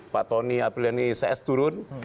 pak tony apriliani cs turun